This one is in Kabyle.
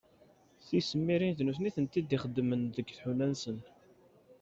Tisemmirin d nutni i tent-id-ixeddmen deg tḥuna-nsen.